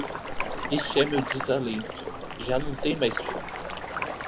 Este meu desalento já não tem mais fim.